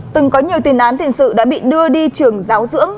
từng có nhiều tin án thiền sự đã bị đưa đi trường giáo dưỡng